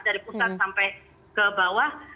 dari pusat sampai ke bawah